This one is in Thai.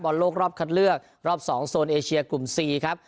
โลกรอบคัดเลือกรอบ๒โซนเอเชียกลุ่ม๔ครับ